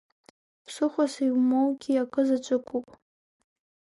Ԥсыхәас иумоугьы акы заҵәыкоуп!